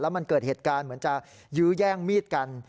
มันเกิดเหตุการณ์เหมือนจะยื้อแย่งมีดกัน